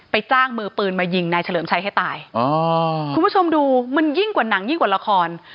จ้างมือปืนมายิงนายเฉลิมชัยให้ตายอ๋อคุณผู้ชมดูมันยิ่งกว่าหนังยิ่งกว่าละคร